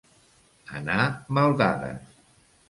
Anar mal dades.